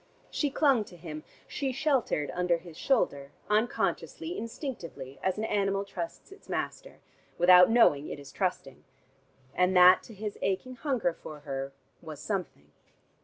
She clung to him, she sheltered under his shoulder, unconsciously, instinctively, as an animal trusts his master, without knowing it is trusting. And that to his aching hunger for her was something....